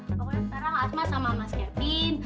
bukan boleh sekarang asma sama mas kevin